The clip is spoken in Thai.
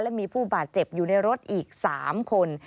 และมีผู้บาดเจ็บอยู่ในรถอีก๓คน